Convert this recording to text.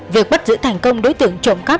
việc bắt giữ thành công đối tượng trộm cắp